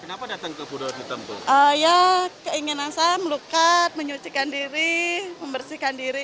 kenapa datang ke budha ditemukan ya keinginan saya melukat menyucikan diri membersihkan diri